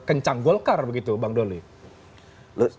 tidak sekencang golkar begitu bang dolly